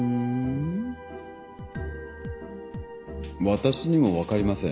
私にも分かりません。